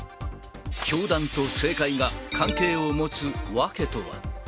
教団と政界が関係を持つ訳とは。